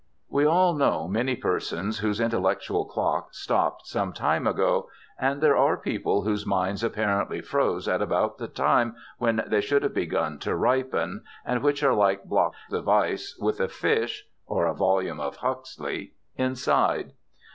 We all know many persons whose intellectual clock stopped some time ago, and there are people whose minds apparently froze at about the time when they should have begun to ripen, and which are like blocks of ice with a fish (or a volume of Huxley) inside.